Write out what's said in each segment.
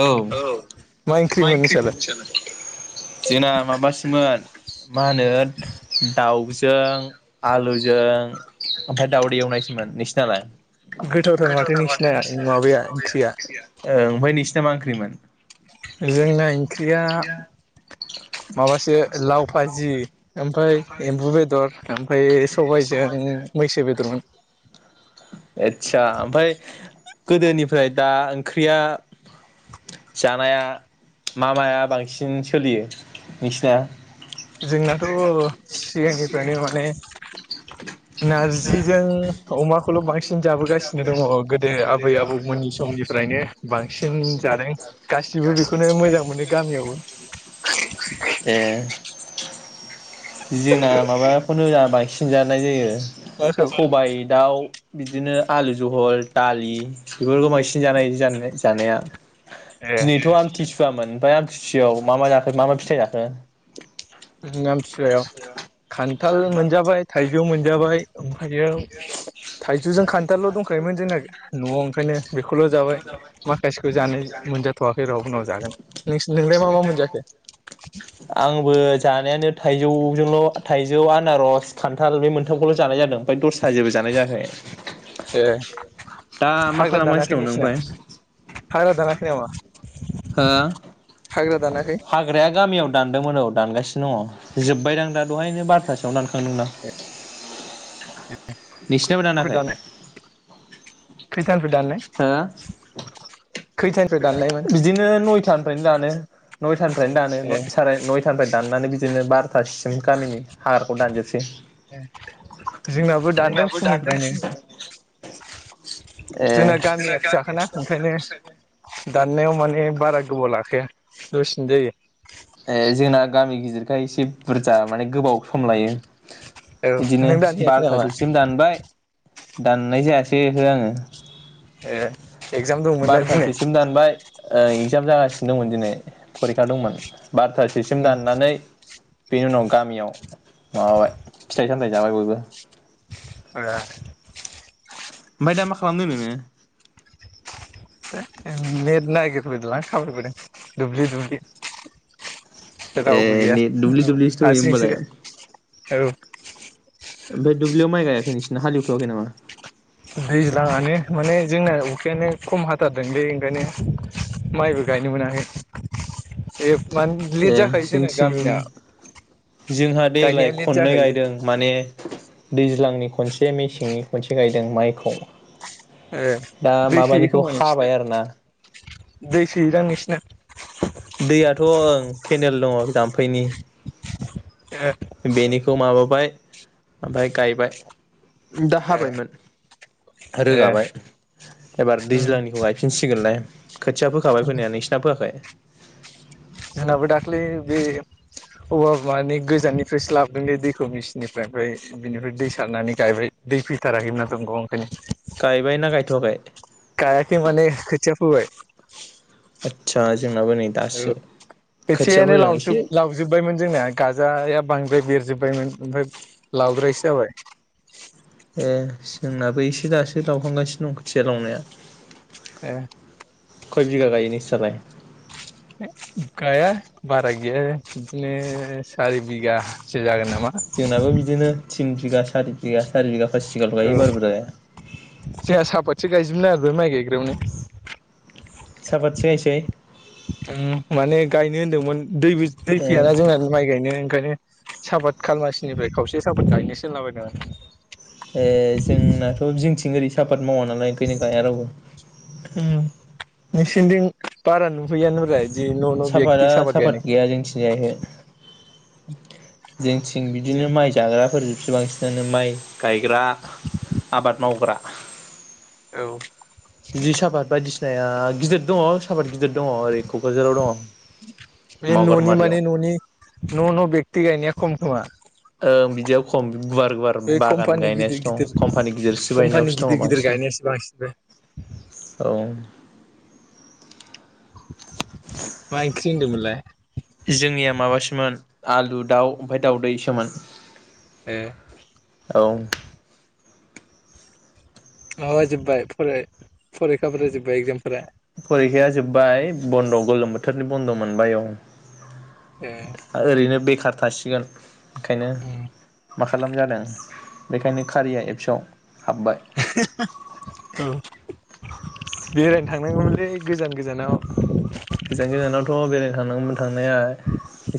औ। मा ओंख्रिमोन नोंसालाय जोंना माबासोमोन मा होनो दाउज जों आलुजों ओमफ्राय दावदै एवनायसोमोन। नोंसिनालाय? गोथावथार माथो नोंसिनाया माबाया ओंख्रिया। ओ ओमफ्राय नोंसिना मा ओंख्रिमोन? जोंना ओंख्रिया माबासो लाव भाजि ओमफ्राय एम्बु बेदर ओमफ्राय सबायजों मैसो बेदरमोन। आदसा ओमफ्राय गोदोनिफ्राय दा ओंख्रिया जानाया मा माया बांसिन सोलियो नोंसिना? जोंनाथ' सिगांनिफ्रायनो माने नारजिजों अमाखौल' बांसिन जाबोगासिनो दङ गोदो आबै आबौमोननि समनिफ्रायनो बांसिन जादों गासिबो बेखौनो मोजां मोनो गामियावबो। ए जोंना माबाखौनो बांसिन जानाय जायो। सबायाइ दाउ। बिदिनो आलु जहल दालि बेफोरखौ बांसिन जानाय जानाय जानाया। ए दिनैथ' आमथिसुवामोन। ओमफ्राय आमथिसियाव मा मा जाखो मा मा फिथाइ जाखो। आमथिसुवायाव खान्थाल मोनजाबाय थाइज ज' मोनजाबाय। हायाव थाइजौजों खान्थालल' दंखायोमोन जोंना न'आव ओंखायनो बेखौल' जाबाय, माखासेखौ जानाय मोनजाथ'वाखै र उनाव जागोन। नों नोंलाय मा मा मोनजाखो? आंबो जानायानो थाइजौजोंल' थाइजौ आनारस खान्थाल बे मोनथामखौल' जानाय जादों, ओमफ्राय दस साजोबो जानाय जायाखै। ए दा मा हाग्रा खालामगासिनो दानाखै दं नों नोंसिना ओमफ्राय हाग्रा दानाखै नामा? हो हाग्रा दानाखै हाग्राया गामियाव दान दोंमोन औ दानगासिनो दङ जोबबाय दांं दा दहायनो बार'थासोआवनो दानखांदों दां। नोंसोनाबो दानाखै। दानाय खैथानिफ्राय दाननाय हो खैथानिफ्राय दाननायमोन बिदिनो नयथानिफ्रायनो दानो। नय फ्रायनो ए दानो साराय नय नयथानिफ्राय दाननानै बिदिनो बार'थासिम गामिनि हाग्राखौ दानजोबसै। आंबो दानदों फुंनिफ्रायनो ए जोंना गामिया फिसाखाना ओंखायनो दाननायाव मा माने बारा गोबाव लाखाया। दसेनो जायो। ए जोंना गामि गिदिरखाय एसे बुरजा माने गोबाव सम लायो। औ बिदिनो नों दानहैयाखै नामा बार'थासोसिम दानबाय। दाननाय जायासैखौ ओहो आङो। ए एगजाम दंमोन ना दिनै बार'थासोसिम दानबाय, ओ एक्जाम जागासि दंमोन दिनै फरिखा दंमोन। बारथाासोसिम उम दाननानै बेनि उनाव गामियाव माबाबाय फिथाइ फिथाइ सामथाय जाबाय बयबो आरो ओमफ्राय दा मा खालामदों नो नोंङो नेट नागिरबोदों लां थाबायबोदों दुबलि दुबलि ए नेट दुबलि दुबलि सो दंङ हारसिंसो ओमबालाइ औ ओमफ्राय दुब्लियाव माइ गायाखै नोंसिरना हालएवथवाखै नामा दैज्लाांआनो माने जोंना अखायानो खम हाथारदोंलै ओंखायनो माइबो गायनो मोनाखै बे ए जोंथिं जोंहा देग्लाय गायनाया लेट खननै जाखायो गायदों माने दैज्लांनि खनसे मेसेंनि खनसे गायदों माइखौ ए दा दै सोयो माबानिखौ खोमा नोंसिना खाबाय आरोना दै सोयोदां नोंसिना दैयाथ ओं केनेल दंङ जाम्फैनि हो बेनिखौ माबाबाय ओमफाय गायबाय दा ए हाबायमोन ए रोगाबाय एबार उम दैज्लांनिखौ गायफिनसिगोनलाय खोथिया फोखाबाय फैानाया नोंसिना फोआखै जोंनाबो दाख्लै बे औवा माने गोजाननिफ्रायसो लाबोदोंलै दैखौ मेचिननिफ्राय ओमफ्राय बिनिफ्राय दै सारनानै गायबाय दै फैथाराखैमोन दंग आव गायबाय ना गायथ'वाखै [unintelligible] गायाखै माने खोथिया फोबाय [inaudible] आदसा जोंनाबो नै औ दासो खोथिया खोथिायानो फोदों एसे लावजोब लावजोबबायमोन जोंनाया गाजाया बां बो बेरजोबबायमोन ओमफाय लावद्रायसो जाबाय ए जोंनाबो एसे दासो लावखांगासिनो दं खोथिया लावनाया ए खै बिगा गायो नोंसा लाय ए गाया बारा गैया बिदिनो सारि बिघासो जागोन नाम जोंनाबो बिदिनो थिन बिगासो हारि बिघा सारि बिघा हासिगां लायो औ बारबोरा गायजुबनो नारबाय माइ गायग्रायावनो साफात सो गायसै उम माने गायनो होनदोंमोन दैबो दै ओ फैयाना जोंना माइ गायनो ओंखायनो साफात खालमासिनिफाय खावसे साफात गायनोसो होनलाबायदों आ ए जोंनाथ जिंथिं ओरै थाफाद मावा नालाय ओंखायनो गाया रावबो उम नोंसोरदिं बारा नुहैयानो ब्रा साफादा साफाद गैया जोंथिं जाय ओहो जोंथिं बिदि बिदिनो माइ जाग्राफोर से बांसिनानो माइ गायग्रा आबाद मावग्रा औ बिदि साफाद बायदिसिना जाया गिदिर दङ साफात गिदिर दङ ओरै क'क्राझाराव दङ। बे न'नि मानि मावगारमारियाव न'नि न' न' बेखथि गायनाया खम खोमा ओं बिदियाव खम गुवार गुवार बे बागान कम्पानि गिदिर गायनायसो दं गिदिर कम्पानि गिदिरसो कम्पानि बायनायावसो गिदिर दङ गिदिर बांसिन गायनायासो बांसिन बे औ। मा ओंख्रि होनदोंमोनलाय जोंनिया माबासोमोन आलु दाउ ओमफाय दाउदैसोमोन ए औ माबा जोबबाय फराय फरेखाफोरा जोब्बाय एगजामफोरा फरिखाया जोब्बाय बन्द' गोलोम बोथोरनि बन्द' मोनबाय औ। ए ओरैनो बेखार थासिगोन खायनो मा खालाम जादों बेखायनो कारिया एप्सआव हाबबाय औ बेरायनो थांनांगौमोनलै गोजान गोजानाव गोजान गोजानावथ' बेरायनो थानांगौमोन। थांनाया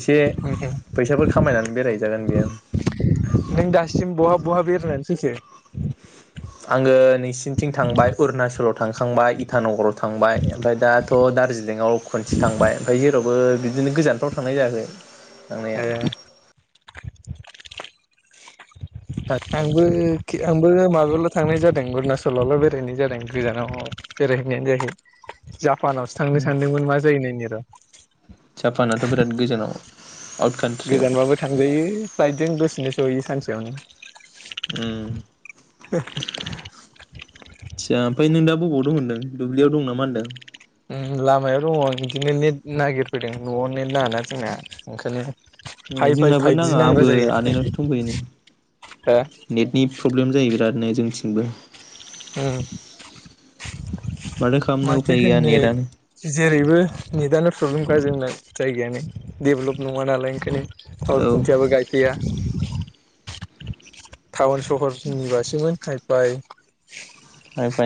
एसे नों फैसाफोर खामायनानै बेराय जागोन बेयो दासिम बहा बहा बेरायना फैखो आङो नोंसिनिथिं थांबाय अरुणाचलाव थांखांबाय इटानगराव थांबाय ओमफ्राय दाथ' दारजिलिंआव खनसे थांबाय ओमफ्राय जेराव बो बिदिनो गोजानफ्राव थांनाय जायाखै थांनाया ए आंबो आंबो माबायावल' थांनाय जादों अरुणाचलावल' बेरायहैनाय जादों गोजानाव बेरायहैनायानो जायाखै जा फानावसो थांनो सानदोंमोन मा जायो नायनि दा जापानाथ' बिराद गोजानाव आउट कान्ट्रियाव गोजानबाबो थांजायो फ्लाइटजों दसेनो से सहैयो सानसेयावनो उम थिया ओमफ्राय नों दा बबाव दं होनदों दुब्लियाव दं नामा होनदों। लामायाव दङ बिदिनो नेट नागिरफैदों न'आव नेट नाङाना जोंना ओंखायनो हाइ फाइ जोंनाबो फाइभजि नाङा नांग्रा आंबो जायो आनैनावसो दंफैयो नै दा नेथनि फ्रब्लेम जायों बेरादनो जोंनिथिंबो ओ। माथो खालामनो माथो उफाय गैया होननो नेटआनो जेरैबो नेटआल' प्रब्लेमखा जोंना जायगायानो, डेभलप नङा नालाय ओंखायनो टावर औ खुन्थियाबो गायफैया। [inaudible] टाउन सहरनि बासोमोन हायफाय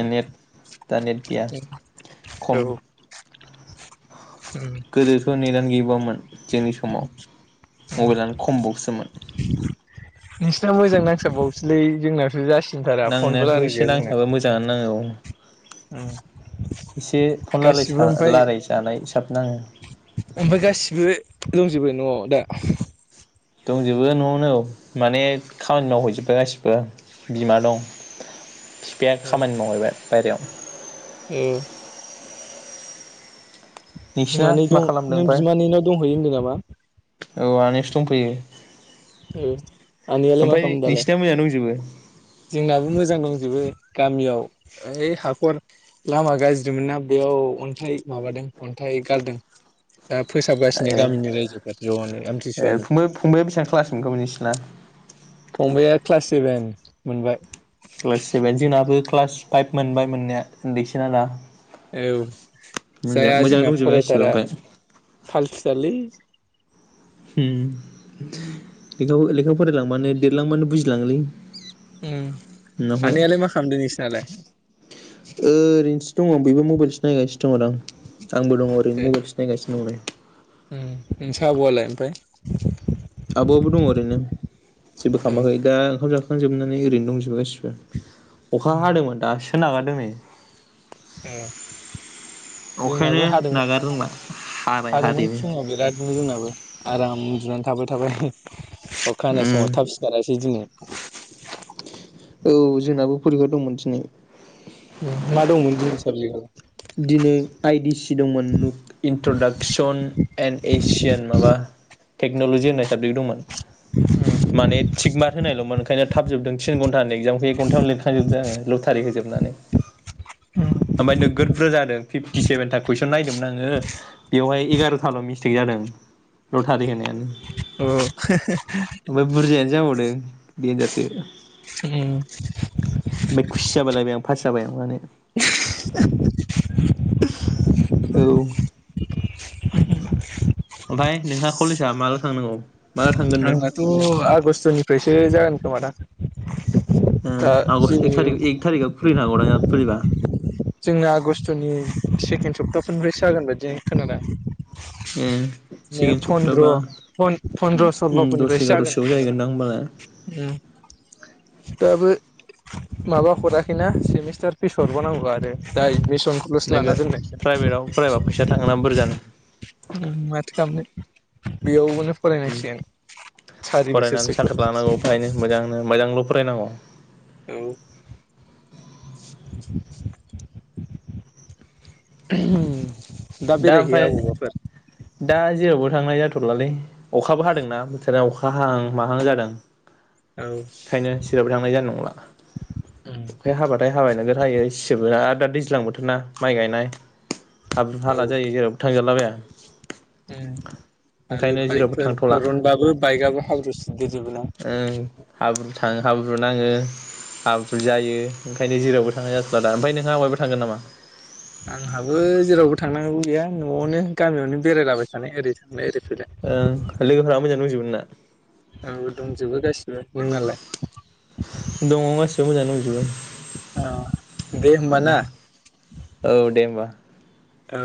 नेट, दा नेट गैया औ खम। गोदोथ' नेटयानो गैबावामोन, जोंनि समाव, मबाइलानो खमबावसोमोन। नोंसिना मोजां नांसाब बावोसोलै, जोंनाावथ' जासिन नांनायाथ' एसे नांसाबो मोजाङानो नाङो औ। एसे फन गासिबो लालायसा लायराइजानाय एसे नाङो। ओमफाय गासिबो दंजोबो न'आव दा? दंजोबो न'आवनो औ माने खामानि मावहैजोब्बाय गासिबो बिमा दं। फिफाया खामानि मावहैबाय बायहेरायाव। ओम। नोंसिना बिमानै मा दं खालामदों नों ओमफ्राय बिमानैनाव दंहैयो होनदों ना मा? औ आनैनावसो दंफैयो, ओ आनैयालाय मा ओमफ्राय खालामदों दालाय? नोंसिना मोजां दंजोबो जोंनाबो मोजां दंजोबो। गामियाव ओइ हाखर लामा गाज्रिमोन ना बेयाव अन्थाइ माबादों अन्थाइ गारदों। दा फोसाबगासिनो ए गामिनि रायजोफ्रा ज'नो आमथिसुवानि। ना? फंबाइआ क्लास सेभेन मोनबाय। क्लास सेभेन जोंनाबो क्लास फाइभ मोनबाय मोननाया उन्दैसोना दा। औ मोजां जाया मोजां जोंना दंजोबो गासिबो फरायथारा ओमफ्राय फालथु थारलै। हम लेखाखौ लेखा फरायलांबानो देरलांबानो बुजिलाङोलै। उम उनावहाय आनैयालाय मा खालामदों नोंसिनालाय ओरैनोसो दङ बेबो मबाइलसो नायगासिनो दङो दां। आंबो दङ ओरैनो ए माबाइलसो नायगासिनो दं दायो। उम नोंसा आबआलाय ओमफाय? आब'आबो दं ओरैनो। जेबो ए खालामाखै दा ओंखाम जा खां जोबनानै ओरैनो दंजोबो गासिबो अखा हादोंमोन दासो नागारदों नै ए अखायानो जोंनाबो हादोंमोन नागार रोंला हाबाय हादोंमोन हादैनो फुङाव बिरादनो जोंनाबो आराम उन्दुनानै था थाबाय थाबाय अखा हानाय समाव थाब सिखारासै दिनै। [unintelligible] औ जोंनाबो फरिखा दंमोन दिनै। उम मा दंमोन दिनै साबजेकआ? दिनै आइ डि सि दंमोन नु इन्ट्रडाक्सन एण एसियान माबा टेक्न'ल'जि होननाय साबजेक्ट दंमोन। माने थिग मार्ग होनायलमोन ओंखायनो थाब जोबदों थिन घन्टानि एक्जामखो एक घन्टायावनो लिरखां जोबदो आङो लथारि होजोबनानै ओमफाय नोगोद बो जादों फिफटि सेभेनथा कुइसन नायदोंमोन आङो बेवहाय एगार'थाल' मिस्टेक जादों लथारि होनायानो अ ओमफ्राय बुरजायानो जाबावदों देनजारसो बे खूसि बालायबाय आं फास जाबाय माने। औ ओमफ्राय नोंहा कलेजआ माला थांनांगौ? माला थांगोन नों आंनाथ आगष्टनिफ्रायसो जागोन खोमा दां। ओ आगस्ट एक थारि ए थारिख आव खुलिनो हागौ दां। जोंना आगष्टनि सेकेण्ड सप्तासोनिफ्रायसो जागोन बायदि खोनादां। ए नो सेकेण्ड फन्द्र सप्ताबा फन-फन्द्र उम सल्ल' दस फोरनिफ्रायसो जागोन एगार'सोआव होन्नाय खोनादां। जाहैगोनदां होमबालाय औ। दाबो माबा हराखैना सेमिस्टार फिस हरबाव नांगौ आरो दा एदमेस सनखौलसो लाना नोङो दोननाय प्राइभेटाव फरायबा फैसा जादों थाङोना बुरजानो उम माथो खालामनो। बेयावबो उम फरायनानै बोसोरसोखौ साख्रि लानांगौ बेहायनो मोजांनो मोजां ल फरायनांगौ। औ। [unintelligible] दा ओमफाय दा जेरावबो थांनाय जाथ'लालै अखाबो हादोंना बोथोरा अखा हाहां माहां जादों। बेखायनो सिरावबो थांनाय जानाय नंला अखाय हाबाथाय हाबाय नोगो थायो इसबो आरो दा दैज्लां बोथोर ना माइ गायनाय। [unintelligible] थाला जायो जेरावबो था थांगेरलाबाया उम आरो बाइकफोर थांथ'ला बरनबाबो बाइकआबो हाब्रु सिददेर जोबो ना? ओ हाब्रु थाङो हाब्रु नाङो हाब्रु जायो ओंखायनो जेरावबो थांनाय जाथ'ला दा ओमफ्राय नोंहा माबायाव थांगोन नामा? आंहाबो जेरावबो थांनांगौ गैया न'आवनो गामियावनो बेरायलाबाय थानाय ओरै थांनाय ओरै फैलाय ओं लोगोफ्रा मोजां दंजोबो? ना। आंबो दंजोबो गाससिबो नोंनालाय दङ गासिबो मोजाङै दंजोबो आं दे होमब ना। औ दे होमबा औ।